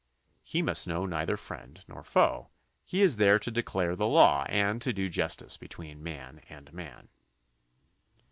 He must know neither friend nor foe. He is there to declare the law and to do justice between man and man.